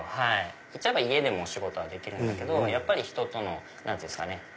いっちゃえば家でも仕事はできるんだけど人との何て言うんですかね。